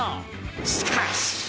しかし！